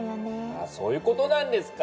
あそういうことなんですか。